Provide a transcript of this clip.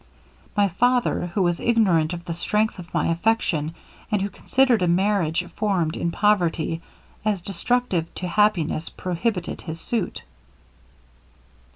My father, who was ignorant of the strength of my affection, and who considered a marriage formed in poverty as destructive to happiness, prohibited his suit.